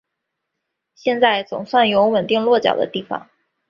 现在总算有稳定落脚的地方